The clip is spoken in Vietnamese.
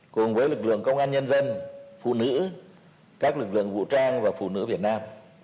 cùng với lực lượng công an nhân dân phụ nữ các lực lượng vũ trang và phụ nữ việt nam